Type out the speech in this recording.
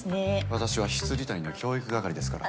私は未谷の教育係ですから。